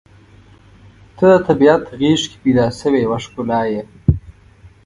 • ته د طبیعت غېږ کې پیدا شوې یوه ښکلا یې.